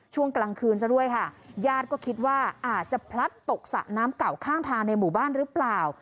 ช่วงกลางคืนซะด้วยค่ะญาติก็คิดว่าอาจจะพลัดตกสระน้ำเก่าข้างทางในหมู่บ้านหรือเปล่า